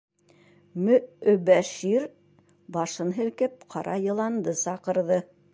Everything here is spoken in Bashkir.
Мө-Өбәшир, башын һелкеп, ҡара йыланды саҡырҙы.